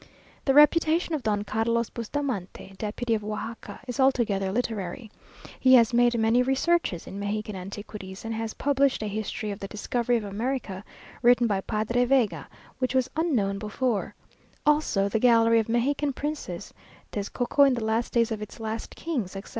The reputation of Don Carlos Bustamante, deputy from Oajaca, is altogether literary. He has made many researches in Mexican antiquities; and has published a history of the "Discovery of America," written by Padre Vega, which was unknown before; also the "Gallery of Mexican Princes;" "Tezcoco in the last Days of its last Kings," etc.